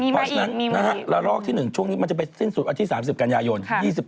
เพราะฉะนั้นละลอกที่๑ช่วงนี้มันจะไปสิ้นสุดวันที่๓๐กันยายน